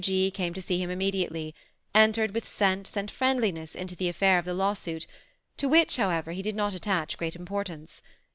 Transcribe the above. G. came to see him immediately ; entered with sense and friendliness into the affair of the lawsuit, to which, however, he did not attach great importance.